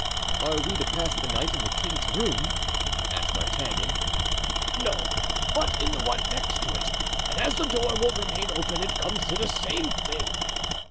"Are we to pass the night in the king's room?" asked D'Artagnan. "No, but in the one next to it, and as the door will remain open it comes to the same thing.